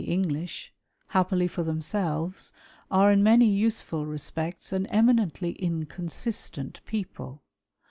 The English, happily for themselves, are, in many useful respects, an eminently inconsistent people.